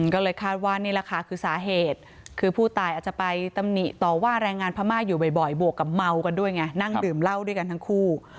ก็เลยคาดว่านี่แหละค่ะคือสาเหตุคือผู้ตายอาจจะไปตำหนิต่อว่าแรงงานพม่าอยู่บ่อยบวกกับเมากันด้วยไงนั่งดื่มเหล้าด้วยกันทั้งคู่